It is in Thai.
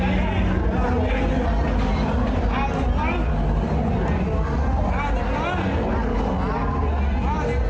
กล้าเลือดจะรีบเกินไปทั้งกรรม